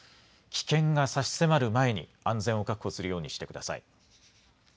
危険が差し迫る前に安全を確保するようにしてください。